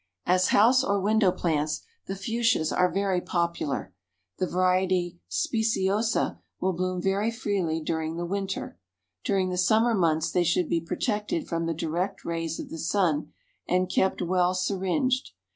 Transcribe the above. As house or window plants the Fuchsias are very popular. The variety Speciosa will bloom very freely during the winter. During the summer months they should be protected from the direct rays of the sun, and kept well syringed.